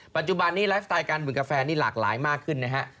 ปัจจุบันนี้ไลฟ์สไตล์การดื่มกาแฟหลากหลายมากขึ้นนะครับ